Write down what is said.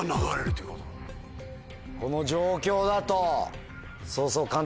この状況だと。